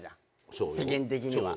世間的には。